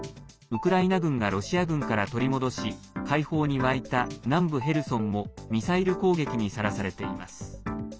ウクライナ軍がロシア軍から取り戻し解放に沸いた南部ヘルソンもミサイル攻撃にさらされています。